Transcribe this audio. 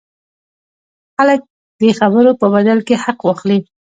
خلک دې د خبرو په بدل کې حق واخلي.